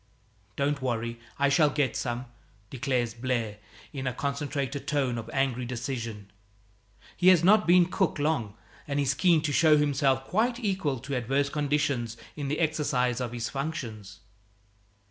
"Don't worry; I shall get some," declares Blaire in a concentrated tone of angry decision. He has not been cook long, and is keen to show himself quite equal to adverse conditions in the exercise of his functions.